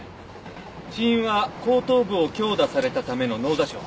死因は後頭部を強打されたための脳挫傷。